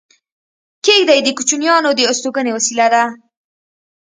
کېږدۍ د کوچیانو د استوګنې وسیله ده